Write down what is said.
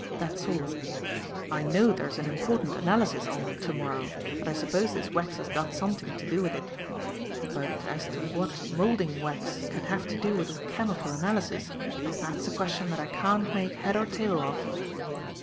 That's all. I know there's an important analysis on to morrow and I suppose this wax has got something to do with it. But, as to what moulding wax can have to do with a chemical analysis, that's a question that I can't make head or tail of."